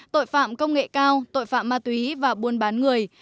tội phạm công nghệ cao tội phạm ma túy và buôn bán người